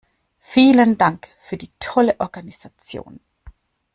Vielen Dank für die tolle Organisation.